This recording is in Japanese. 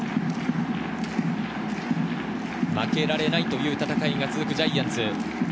負けられないという戦いが続くジャイアンツ。